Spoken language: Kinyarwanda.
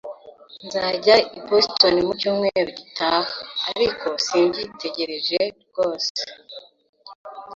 Nzajya i Boston mu cyumweru gitaha, ariko simbyitegereje rwose